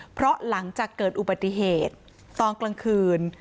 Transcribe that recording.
เพราะหลังจากเกิดอุบัติเหตุตอนกลางคืน